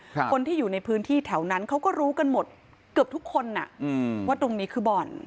คนที่อยู่ในพื้นที่แถวนั้นเขาก็รู้กันหมดเกือบทุกคนอ่ะอืมว่าตรงนี้คือบ่อน